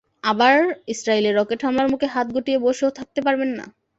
আবার Israel rocket হামলার মুখে হাত গুটিয়ে বসেও থাকতে পারবে না।